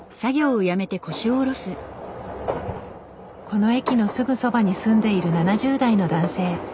この駅のすぐそばに住んでいる７０代の男性。